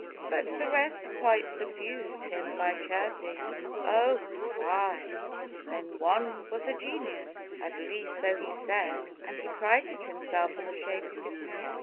But the rest quite subdued him by chirping " 0, fie!" Then one was a genius, — at least so he said, — And he prided himself on the shape of his head.